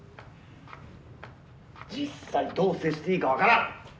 ・実際どう接していいか分からん。